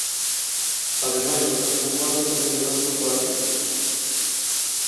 Ademais o casco urbano ten numerosos barrios.